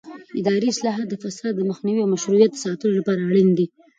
اداري اصلاحات د فساد د مخنیوي او مشروعیت د ساتلو لپاره اړین دي